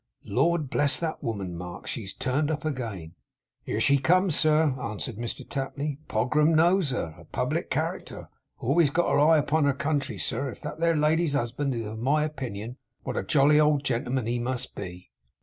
'Lord bless that woman, Mark. She has turned up again!' 'Here she comes, sir,' answered Mr Tapley. 'Pogram knows her. A public character! Always got her eye upon her country, sir! If that there lady's husband is of my opinion, what a jolly old gentleman he must be!